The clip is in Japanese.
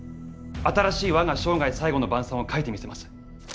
新しい「我が生涯最後の晩餐」を書いてみせます。